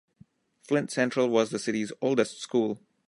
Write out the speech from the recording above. Flint Central was the city's oldest school.